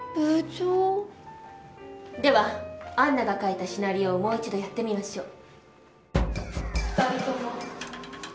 では杏奈が書いたシナリオをもう一度やってみましょう。